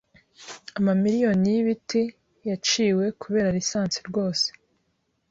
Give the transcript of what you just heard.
Amamiriyoni y'ibiti yaciwe kubera lisansi rwose